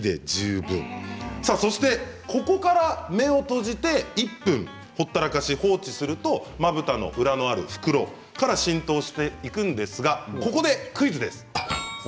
そしてここから目を閉じて１分、ほったらかし放置すると、まぶたの裏にある袋から浸透していくんですがここでクイズです。